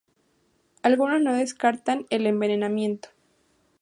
Algunos no descartan el envenenamiento.